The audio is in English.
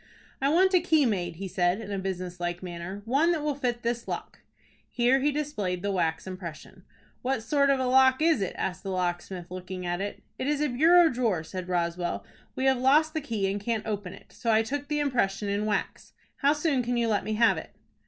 "I want a key made," he said, in a business like manner; "one that will fit this lock." Here he displayed the wax impression. "What sort of a lock is it?" asked the locksmith, looking at it. "It is a bureau drawer," said Roswell. "We have lost the key, and can't open it. So I took the impression in wax. How soon can you let me have it?"